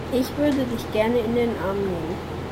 Ich würde dich gerne in den Arm nehmen.